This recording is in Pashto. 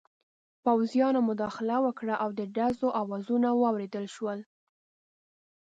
پوځیانو مداخله وکړه او د ډزو اوازونه واورېدل شول.